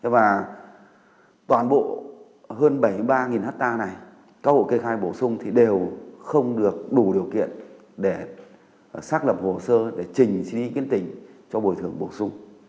và toàn bộ hơn bảy mươi ba hectare này các hộ kê khai bổ sung thì đều không được đủ điều kiện để xác lập hồ sơ để trình xin ý kiến tỉnh cho bồi thường bổ sung